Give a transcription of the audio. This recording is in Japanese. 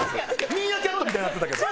ミーアキャットみたいになってたけど。